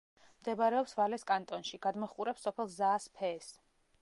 მდებარეობს ვალეს კანტონში; გადმოჰყურებს სოფელ ზაას-ფეეს.